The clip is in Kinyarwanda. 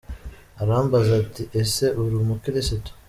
Arambaza ati : “Ese uri umukristo ?